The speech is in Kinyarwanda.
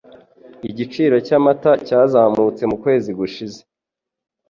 Igiciro cyamata cyazamutse mukwezi gushize.